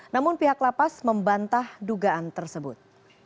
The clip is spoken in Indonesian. namun pihak lapas membantah dugaan tersebut